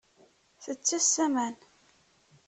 Tettess aman.